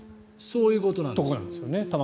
そういうことなんです。